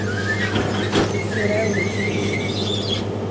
Ur ɛawnent igellilen.